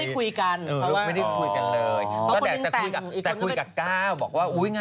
คือพอเราเดินไปที่ห้อง